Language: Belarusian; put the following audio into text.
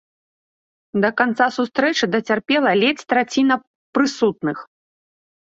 Да канца сустрэчы дацярпела ледзь траціна прысутных.